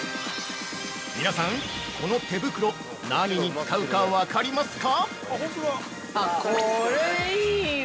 ◆皆さん、この手袋何に使うか分かりますか？